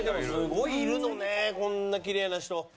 すごいいるのねこんなキレイな人。